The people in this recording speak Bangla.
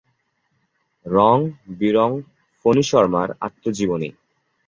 রং-বিরং ফণী শর্মার আত্মজীবনী।